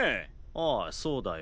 ああそうだよ。